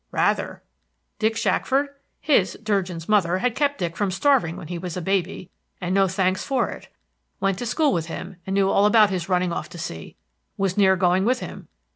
Rather. Dick Shackford? His (Durgin's) mother had kept Dick from starving when he was a baby, and no thanks for it. Went to school with him, and knew all about his running off to sea. Was near going with him.